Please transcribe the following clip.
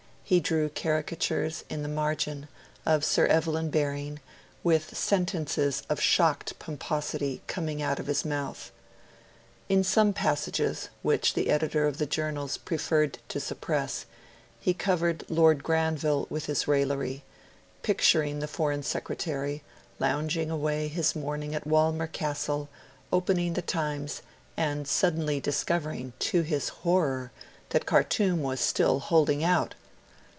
He drew caricatures, in the margin, of Sir Evelyn Baring, with sentences of shocked pomposity coming out of his mouth. In some passages, which the editor of the Journals preferred to suppress, he covered Lord Granville with his raillery, picturing the Foreign Secretary, lounging away his morning at Walmer Castle, opening The Times and suddenly discovering, to his horror, that Khartoum was still holding out.